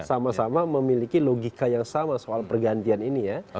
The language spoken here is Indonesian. sama sama memiliki logika yang sama soal pergantian ini ya